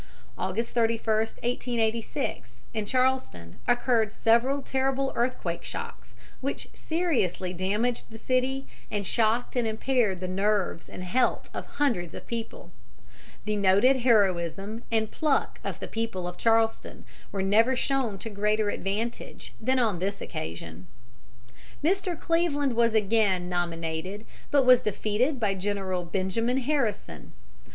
August 31, 1886, in Charleston, occurred several terrible earthquake shocks, which seriously damaged the city and shocked and impaired the nerves and health of hundreds of people. The noted heroism and pluck of the people of Charleston were never shown to greater advantage than on this occasion. Mr. Cleveland was again nominated, but was defeated by General Benjamin Harrison.